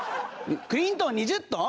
クリントン２０トン？